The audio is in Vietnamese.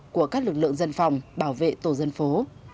của các lực lượng dân phòng bảo vệ tổ dân phố